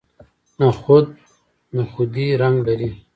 نخود نخودي رنګ لري.